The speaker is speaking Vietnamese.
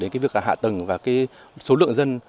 đến việc hạ tầng và số lượng dân